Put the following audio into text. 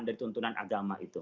dari tuntunan agama itu